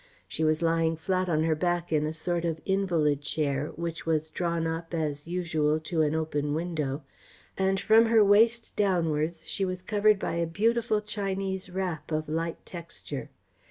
She was lying flat on her back in a sort of invalid chair, which was drawn up, as usual, to an open window, and from her waist downwards she was covered by a beautiful Chinese wrap of light texture.